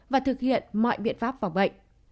và thực hiện mọi biện pháp phòng chống